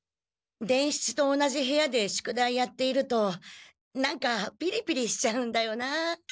伝七と同じ部屋で宿題やっていると何かピリピリしちゃうんだよなあ。